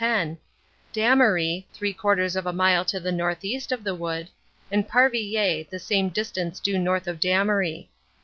10), Damery, three quarters of a mile to the northeast of the wood, and Parvillers, the same distance due north of Damery.